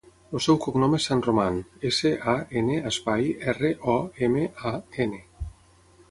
El seu cognom és San Roman: essa, a, ena, espai, erra, o, ema, a, ena.